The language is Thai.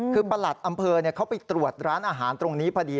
คือประหลัดอำเภอเขาไปตรวจร้านอาหารตรงนี้พอดี